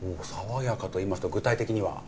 爽やかといいますと具体的には？